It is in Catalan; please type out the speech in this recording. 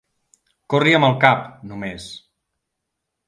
Corri amb el cap, només.